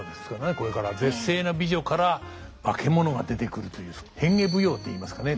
これから絶世の美女から化け物が出てくるという変化舞踊といいますかね